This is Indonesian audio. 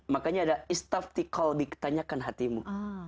makanya ada istaf tikal diketanyakan hatimu